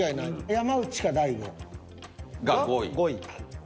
山内か大悟。が５位。